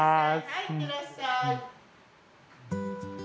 はい行ってらっしゃい。